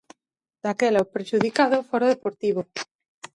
Daquela o prexudicado fora o Deportivo.